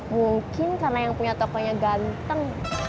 mungkin karena yang punya tokonya ganteng